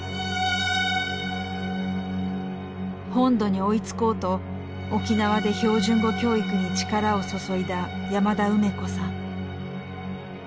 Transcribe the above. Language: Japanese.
本土に追いつこうと沖縄で標準語教育に力を注いだ山田梅子さん。